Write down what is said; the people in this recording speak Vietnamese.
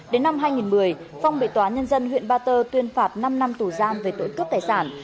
đến năm hai nghìn một mươi phong bị tòa nhân dân huyện ba tơ tuyên phạt năm năm tù giam về tội cướp tài sản